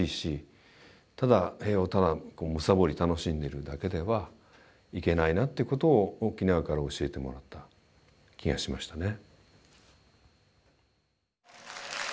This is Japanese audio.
ただ平和をただ貪り楽しんでるだけではいけないなってことを沖縄から教えてもらった気がしましたね。